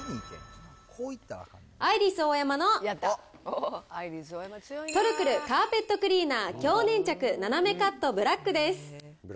アイリスオーヤマのトルクルカーペットクリーナー強粘着ななめカットブラックです。